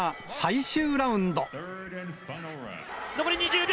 残り２０秒。